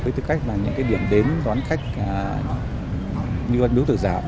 với tư cách là những điểm đến đoán khách như văn biếu tự giảm